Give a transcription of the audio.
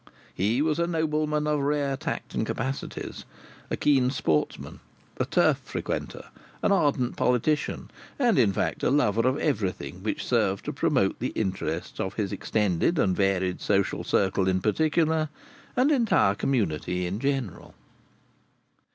He was a nobleman of rare tact and capacities; a keen sportsman; a Turf frequenter; an ardent politician; and, in fact, a lover of everything which served to promote the interests of his extended and varied social circle in particular, and entire community in general.